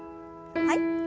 はい。